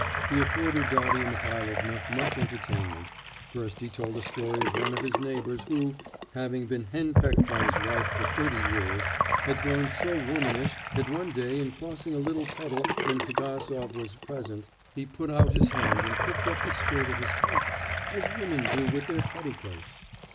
He afforded Darya Mihailovna much entertainment; first he told a story of one of his neighbours who, having been henpecked by his wife for thirty years, had grown so womanish that one day in crossing a little puddle when Pigasov was present, he put out his hand and picked up the skirt of his coat, as women do with their petticoats.